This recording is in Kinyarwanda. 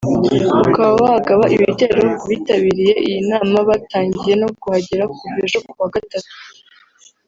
ukaba wagaba ibitero kubitabiriye iyi nama batangiye no kuhagera kuva ejo kuwa gatatu